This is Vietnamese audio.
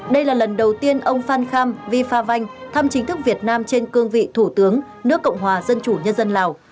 đây là lần đầu tiên ông phan kham vifa vanh thăm chính thức việt nam trên cương vị thủ tướng nước cộng hòa dân chủ nhân dân lào